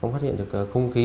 không phát hiện được không khí